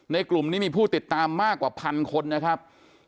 กลุ่มนี้มีผู้ติดตามมากกว่าพันคนนะครับ